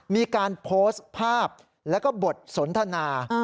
มีการโพสต์ภาพแล้วก็บทสนทนา